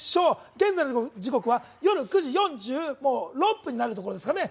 現在の時刻は夜９時４６分になるところですかね。